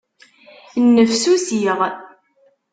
Nnefsusiɣ.